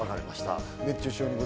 熱中症にも